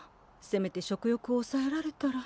せめて食欲をおさえられたら。